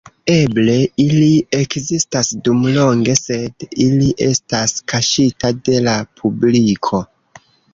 Eble ili ekzistas dum longe sed ili estas kaŝita de la publiko.